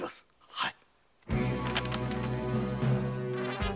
はい。